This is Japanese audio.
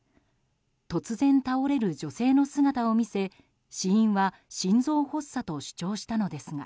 突然、倒れる女性の姿を見せ死因は心臓発作と主張したのですが。